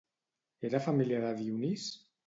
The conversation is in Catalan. Era família de Dionís?